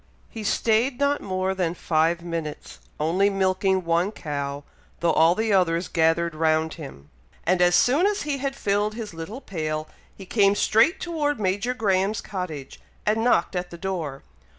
He stayed not more than five minutes, only milking one cow, though all the others gathered round him, and as soon as he had filled his little pail, he came straight toward Major Graham's cottage, and knocked at the door.